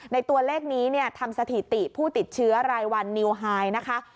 ในตัวเลขนี้ทำสถิติผู้ติดเชื้อรายวันนิวไฮนะคะ